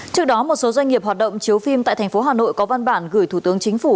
trước đó một số doanh nghiệp hoạt động chiếu phim tại thành phố hà nội có văn bản gửi thủ tướng chính phủ